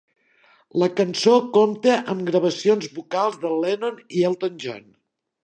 La cançó compta amb gravacions vocals de Lennon i Elton John.